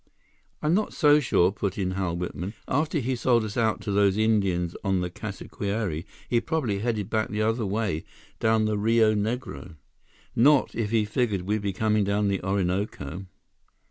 "I'm not so sure," put in Hal Whitman. "After he sold us out to those Indians on the Casquiare, he probably headed back the other way, down the Rio Negro." "Not if he figured we'd be coming down the Orinoco."